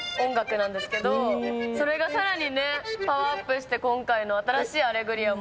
それがさらにねパワーアップして今回の新しい『アレグリア』も。